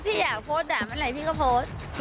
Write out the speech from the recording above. พี่อยากโพสต์ด่าเมื่อไหร่พี่ก็โพสต์